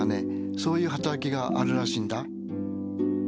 そういう働きがあるらしいんだ。